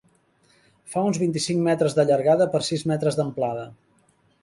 Fa uns vint-i-cinc metres de llargada per sis metres d'amplada.